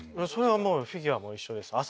それはもうフィギュアも一緒です。